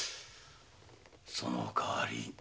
その代わり。